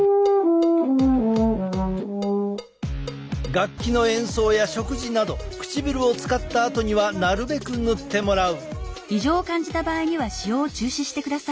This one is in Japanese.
楽器の演奏や食事など唇を使ったあとにはなるべく塗ってもらう。